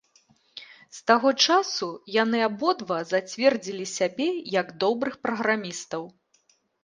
З таго часу, яны абодва зацвердзілі сябе як добрых праграмістаў.